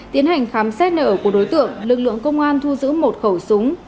tiến hành khám xét nở của đối tượng lực lượng công an thu giữ một khẩu súng